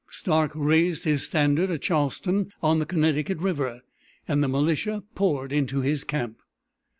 Stark raised his standard at Charlestown on the Connecticut River, and the militia poured into his camp.